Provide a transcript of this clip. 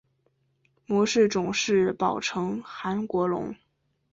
模式种是宝城韩国龙。